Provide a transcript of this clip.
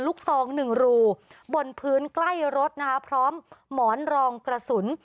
ซองหนึ่งรูบนพื้นใกล้รถนะคะพร้อมหมอนรองกระสุน